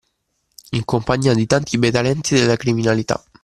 In compagnia di tanti bei talenti della criminalità.